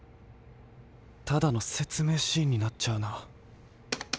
ただのせつめいシーンになっちゃうな。